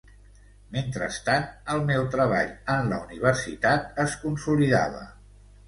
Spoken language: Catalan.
Mentrestant, el meu treball en la Universitat es consolidava.